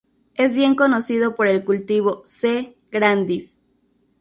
Es bien conocido por el cultivo "C. grandis".